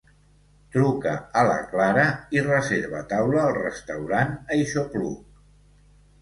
Truca a la Clara i reserva taula al restaurant Aixopluc.